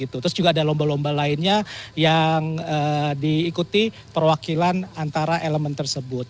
terus juga ada lomba lomba lainnya yang diikuti perwakilan antara elemen tersebut